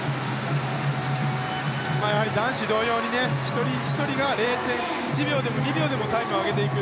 男子同様に一人ひとりが０．１秒でも２秒でもタイムを上げていく。